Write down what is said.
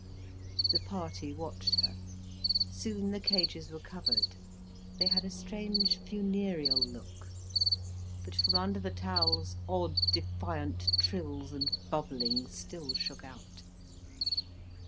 The party watched her. Soon the cages were covered, they had a strange funereal look. But from under the towels odd defiant trills and bubblings still shook out.